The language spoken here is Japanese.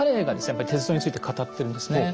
やっぱり鉄道について語ってるんですね。